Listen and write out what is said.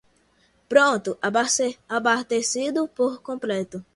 Pronto, abastecido por completo.